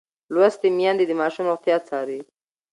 لوستې میندې د ماشوم روغتیا څاري.